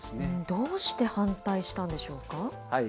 どうして反対したんでしょうか。